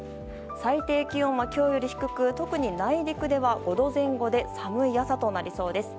最低気温は今日より低く特に内陸では５度前後で寒い朝となりそうです。